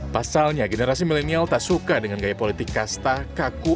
pasalnya generasi milenial tak suka dengan gaya politik kasta kaku